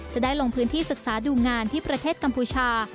จะได้ลงพื้นที่ศึกษาดูงานที่ประเทศกัมพูชา